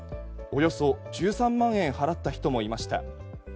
およそ１３万円払った人もいました。